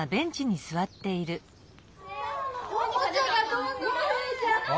・おもちゃがどんどん増えちゃって！